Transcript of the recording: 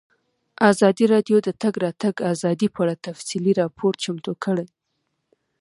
ازادي راډیو د د تګ راتګ ازادي په اړه تفصیلي راپور چمتو کړی.